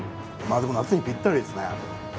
でも、夏にぴったりですね。